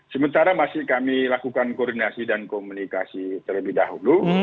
sementara masih kami lakukan koordinasi dan komunikasi terlebih dahulu